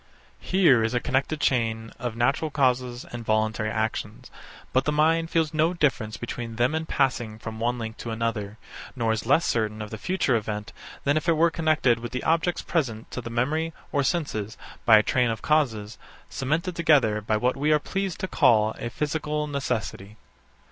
Here is a connected chain of natural causes and voluntary actions; but the mind feels no difference between them in passing from one link to another: Nor is less certain of the future event than if it were connected with the objects present to the memory or senses, by a train of causes, cemented together by what we are pleased to call a physical necessity.